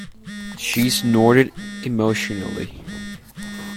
She snorted emotionally.